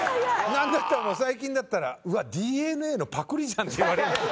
なんだったら最近だったらうわっＤｅＮＡのパクリじゃんって言われるんですよ。